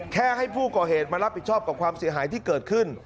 ให้ผู้ก่อเหตุมารับผิดชอบกับความเสียหายที่เกิดขึ้น